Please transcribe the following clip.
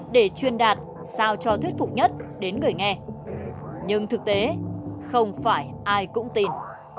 để truyền đạt sao cho thuyết phục nhất đến người nghe nhưng thực tế không phải ai cũng tin